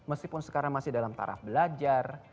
meskipun sekarang masih dalam taraf belajar